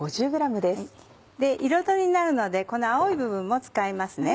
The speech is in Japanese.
彩りになるのでこの青い部分も使いますね。